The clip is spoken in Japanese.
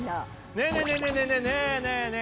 ねえねえねえねえ！